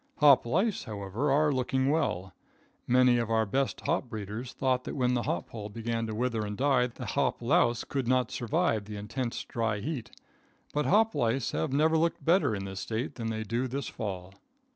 Hop lice, however, are looking well. Many of our best hop breeders thought that when the hop pole began to wither and die, the hop louse could not survive the intense dry heat; but hop lice have never looked better in this State than they do this fall.